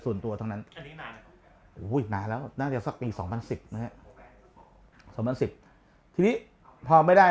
ส่วนตัวทั้งนั้นอุ้ยมาแล้วน่าเดี๋ยวสักปี๒๐๑๐๒๐๑๐พอไม่ได้